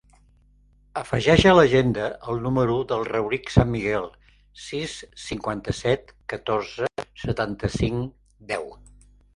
Afegeix a l'agenda el número del Rauric San Miguel: sis, cinquanta-set, catorze, setanta-cinc, deu.